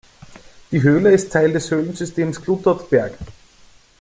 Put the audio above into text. Die Höhle ist Teil des Höhlensystems Klutert-Berg.